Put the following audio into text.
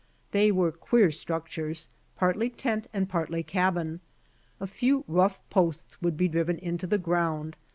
They were queer structures, partly tent and partly cabin. A few rough posts would be driven into the ground.